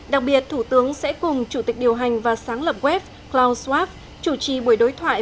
đặc biệt thủ tướng sẽ cùng chủ tịch điều hành và sáng lập wef klaus schwab chủ trì buổi đối thoại